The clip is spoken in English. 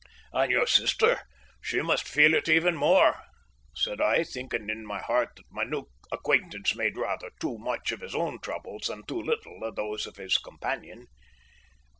"And your sister she must feel it even more," said I, thinking in my heart that my new acquaintance made rather too much of his own troubles and too little of those of his companion.